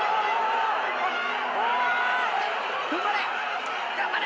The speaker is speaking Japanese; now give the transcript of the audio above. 踏ん張れ！